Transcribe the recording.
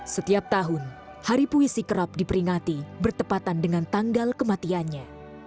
setiap tahun hari puisi kerap diperingati bertepatan dengan tanggal kematiannya